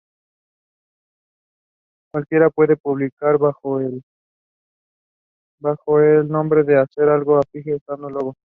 Cualquiera puede publicar bajo el nombre o hacer un afiche usando el logo.